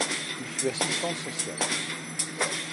Il fut assistant social.